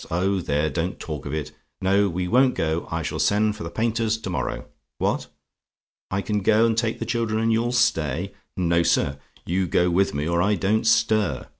"Oh, there don't talk of it. No: we won't go. I shall send for the painters to morrow. What? "I CAN GO AND TAKE THE CHILDREN, AND YOU'LL STAY? "No, sir: you go with me, or I don't stir.